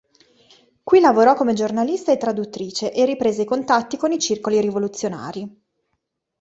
Qui lavorò come giornalista e traduttrice, e riprese i contatti con i circoli rivoluzionari.